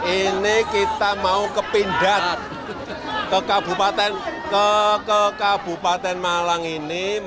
ini kita mau ke pindad ke kabupaten malang ini